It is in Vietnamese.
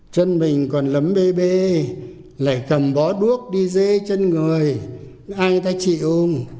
chân mình còn lấm bê bê lại cầm bó đuốc đi dế chân người ai người ta chịu